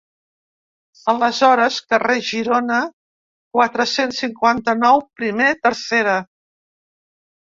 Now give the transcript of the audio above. Aleshores Carrer Girona quatre-cents cinquanta-nou primer tercera.